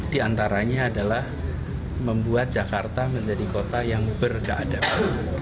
di antaranya adalah membuat jakarta menjadi kota yang berkeadaban